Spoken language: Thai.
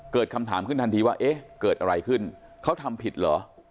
เกิดคำถามขึ้นทันทีว่าเอ๊ะเกิดอะไรขึ้นเขาทำผิดเหรอ